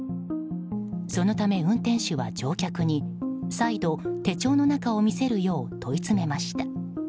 そのため、運転手は乗客に再度手帳の中を見せるよう問い詰めました。